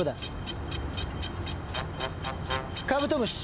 カブトムシ。